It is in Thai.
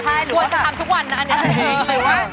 ควรจะทำทุกวันนะอันนี้